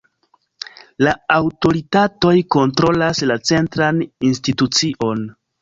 La aŭtoritatoj kontrolas la centran institucion.